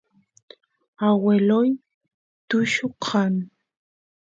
agueloy tullu kan